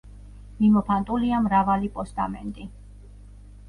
მიმოფანტულია მრავალი პოსტამენტი.